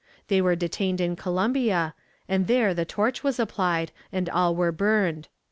They were detained in Columbia, and there the torch was applied, and all were burned.